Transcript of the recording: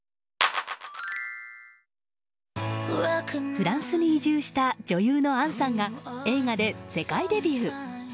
フランスに移住した女優の杏さんが映画で世界デビュー。